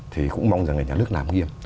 thì cũng mong rằng là nhà nước làm nghiêm